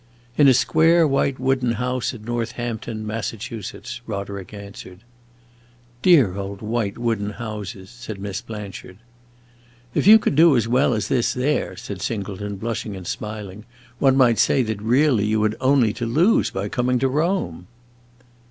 "In a square white wooden house at Northampton, Massachusetts," Roderick answered. "Dear old white wooden houses!" said Miss Blanchard. "If you could do as well as this there," said Singleton, blushing and smiling, "one might say that really you had only to lose by coming to Rome."